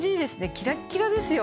キラッキラですよ